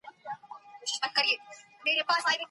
کلین کلارک اقتصادي پرمختیا ته بل تعریف لري.